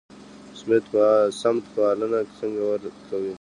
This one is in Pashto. سمت پالنه څنګه ورک کړو؟